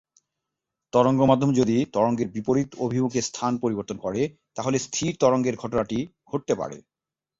তরঙ্গ মাধ্যম যদি তরঙ্গের বিপরীত অভিমুখে স্থান পরিবর্তন করে, তাহলে স্থির তরঙ্গের ঘটনাটি ঘটতে পারে।